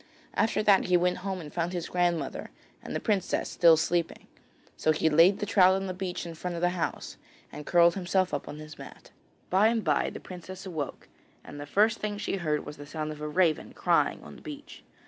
After that he went home and found his grandmother and the princess still sleeping, so he laid the trout on the beach in front of the house and curled himself up on his mat. By and bye the princess awoke, and the first thing she heard was the sound of a raven crying on the beach.